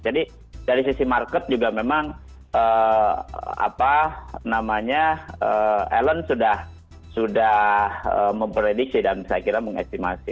jadi dari sisi market juga memang apa namanya elon sudah memprediksi dan saya kira mengestimasi